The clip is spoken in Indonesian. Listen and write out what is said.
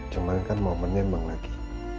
cuman kan momennya emang lagi